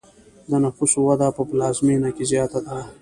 د نفوسو وده په پلازمینه کې زیاته ده.